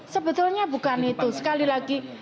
sebetulnya bukan itu sekali lagi